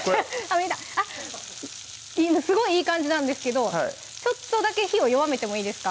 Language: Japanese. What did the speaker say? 見えたすごいいい感じなんですけどちょっとだけ火を弱めてもいいですか？